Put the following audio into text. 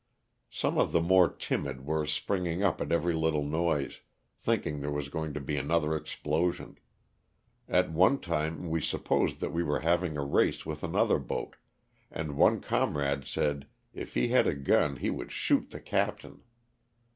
Some of the more timid were spring ing up at every little noise, thinking there was going to be another explosion. At one time we supposed that they were having a race with another boat, and one comrade said if he had a gun he would shoot the captain.